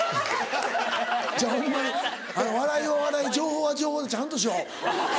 ちゃうホンマに笑いは笑い情報は情報でちゃんとしよう。